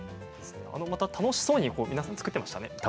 楽しそうに皆さん作っていましたね。